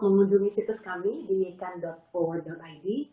mengunjungi situs kami di yikan forward id